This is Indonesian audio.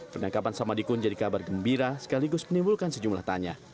penangkapan samadikun jadi kabar gembira sekaligus menimbulkan sejumlah tanya